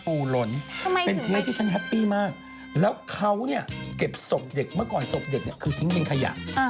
หล่นเป็นเทปที่ฉันแฮปปี้มากแล้วเขาเนี่ยเก็บศพเด็กเมื่อก่อนศพเด็กเนี่ยคือทิ้งเป็นขยะ